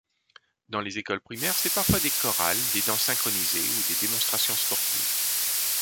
Dans les écoles primaires, c'est parfois des chorales, des danses synchronisées ou démonstrations sportives.